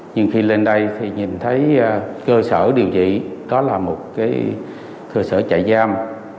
nhưng khi lên đây thì nhìn thấy cơ sở điều trị đó là một cơ sở trại giam